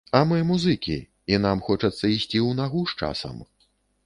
А мы музыкі, і нам хочацца ісці ў нагу з часам.